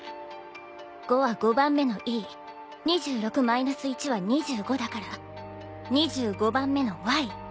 ５は５番目のＥ２６−１は２５だから２５番目のＹ。